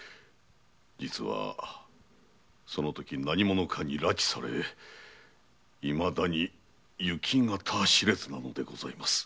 実はそのとき何者かに拉致されいまだに行方知らずなのでございます。